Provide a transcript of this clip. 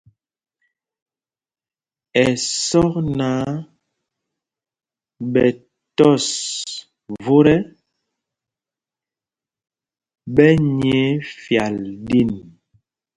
Ɛsɔk náǎ ɓɛ tɔs vot ɛ, ɓɛ nyɛɛ fyal ɗin.